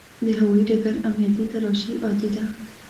د هوایي ډګر امنیتي تلاشي عادي ده.